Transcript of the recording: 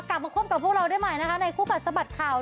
กลับมาคบกับพวกเราได้ใหม่นะคะในคู่กัดสะบัดข่าว